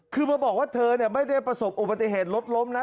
คือมาบอกว่าเธอไม่ได้ประสบอุบัติเหตุรถล้มนะ